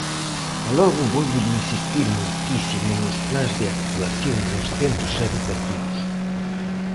E logo vólvolle insistir moitísimo nos plans de actuación nos centros educativos.